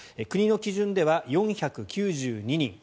国の基準では４９２人。